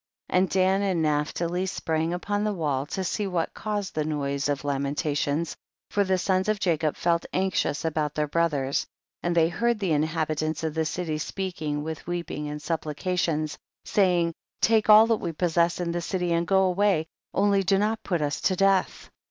16. And Dan and Naphtali sprang upon the wall to see what caused the noise of lamentation, for the sons of Jacob felt anxious about their bro thers, and they heard the inhabitants of the city speaking with weeping and supplications, saying, take all that we possess in the city and go away, only do not put us to death.